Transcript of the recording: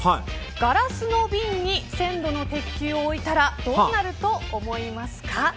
ガラスの瓶に１０００度の鉄球を置いたらどうなると思いますか。